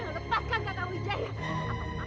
lepaskan kakak ngujaya